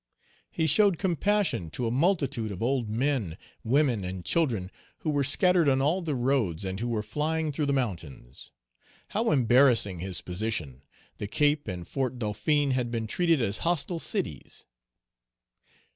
He showed compassion to a multitude of old men, women, and children, who were scattered on all the roads, and who were flying through the mountains. How embarrassing his position: the Cape and Fort Dauphin had been treated as hostile cities.